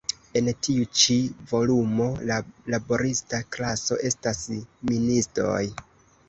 En tiu ĉi volumo, la laborista klaso estas ministoj.